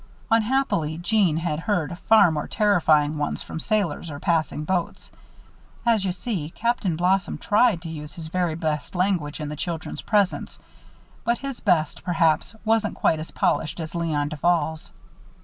Unhappily Jeanne had heard far more terrifying ones from sailors on passing boats. As you see, Captain Blossom tried to use his very best language in the children's presence; but his best, perhaps, wasn't quite as polished as Léon Duval's.